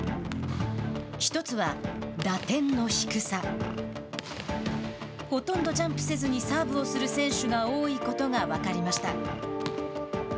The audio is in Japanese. １つは、打点の低さ。ほとんどジャンプせずにサーブをする選手が多いことが分かりました。